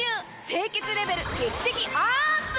清潔レベル劇的アップ！